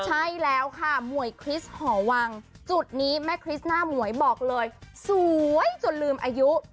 ใช่แล้วค่ะหมวยคริสต์หอวังจุดนี้แม่คริสต์หน้าหมวยบอกเลยสวยจนลืมอายุ